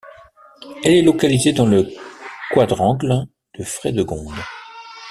Elle est localisée dans le quadrangle de Fredegonde.